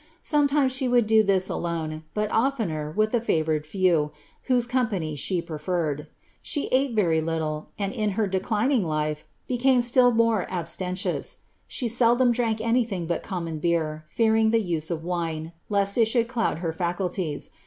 Sometimes she would do this alone, but oflener with the favoured few, whose company she preferred. She ate very little, and in her declining life, became still more abstemious. She seldom drank anything but common beer, fearing the use of wine^ lest it should cloud her Acuities.